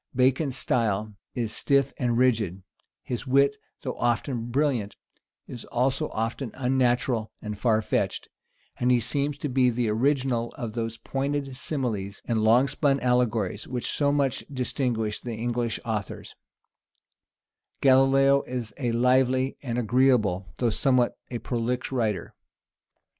Bacon's style is stiff and rigid: his wit, though often brilliant, is also often unnatural and far fetched; and he seems to be the original of those pointed similes and long spun allegories which so much distinguish the English authors: Galilaeo is a lively and agreeable, though somewhat a prolix writer.